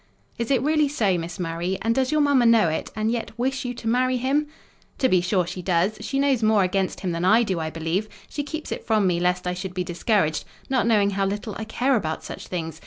"Is it really so, Miss Murray? and does your mamma know it, and yet wish you to marry him?" "To be sure, she does! She knows more against him than I do, I believe: she keeps it from me lest I should be discouraged; not knowing how little I care about such things.